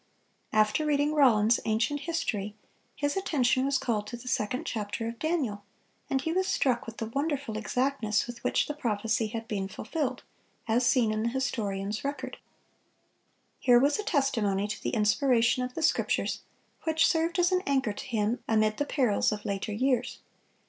After reading Rollin's "Ancient History," his attention was called to the second chapter of Daniel, and he was struck with the wonderful exactness with which the prophecy had been fulfilled, as seen in the historian's record. Here was a testimony to the inspiration of the Scriptures, which served as an anchor to him amid the perils of later years.